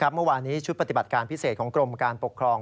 เมื่อวานี้ชุดปฏิบัติการพิเศษของกรมการปกครอง